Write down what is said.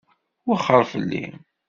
Wexxeṛ fell-i.